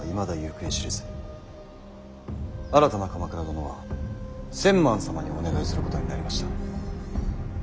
新たな鎌倉殿は千幡様にお願いすることになりました。